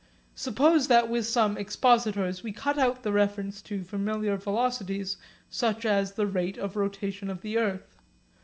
Suppose that with some expositors we cut out the reference to familiar velocities such as the rate of rotation of the earth.